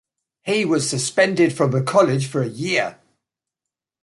He was suspended from the college for a year.